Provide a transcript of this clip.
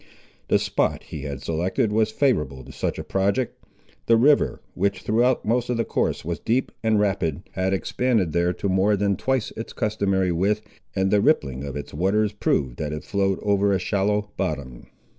The spot he had selected was favourable to such a project. The river, which throughout most of its course was deep and rapid, had expanded there to more than twice its customary width, and the rippling of its waters proved that it flowed over a shallow bottom.